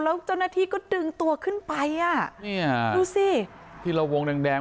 แล้วเจ้าหน้าที่ก็ดึงตัวขึ้นไปนี่ดูสิที่ระวงแดง